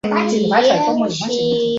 初田牛车站的铁路车站。